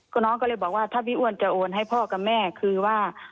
ก็น้องก็เลยบอกว่าถ้าพี่อ้วนจะโอนให้พ่อกับแม่คือว่า